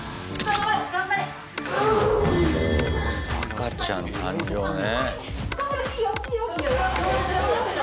「赤ちゃん誕生」ね。